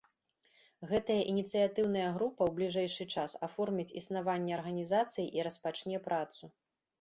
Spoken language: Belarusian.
Гэтая ініцыятыўная група ў бліжэйшы час аформіць існаванне арганізацыі і распачне працу.